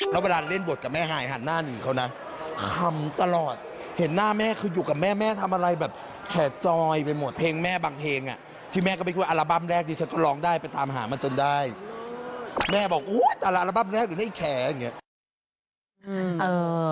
แล้วเวลาเล่นบทกับแม่หายหันหน้าหนีเขานะทำตลอดเห็นหน้าแม่คืออยู่กับแม่แม่ทำอะไรแบบแขจอยไปหมดเพลงแม่บางเพลงอ่ะที่แม่ก็ไม่คิดว่าอัลบั้มแรกดิฉันก็ร้องได้ไปตามหามาจนได้แม่บอกอุ้ยอัลบั้มแรกถึงได้แขอย่างเงี้ย